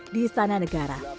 di istana negara